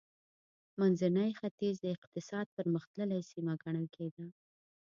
منځنی ختیځ د اقتصاد پرمختللې سیمه ګڼل کېده.